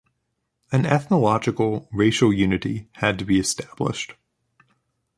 An ethnological, racial unity had to be established.